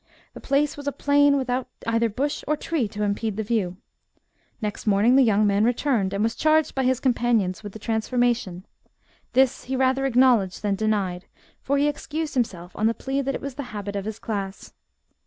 The place was a plain without either bush or tree to impede the view. Next morning the young man returned, and was charged by his companions with the transformation : this he rather acknowledged than denied, for he excused himself on the plea that it was the habit of his class.